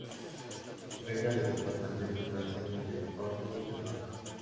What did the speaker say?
Riega los departamentos franceses de Orne y Calvados.